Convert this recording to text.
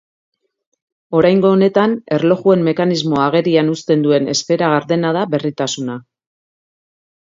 Oraingo honetan, erlojuen mekanismoa agerian uzten duen esfera gardena da berritasuna.